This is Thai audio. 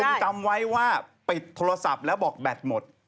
คุณจำไว้ว่าปิดโทรศัพท์แล้วบอกแบตหมด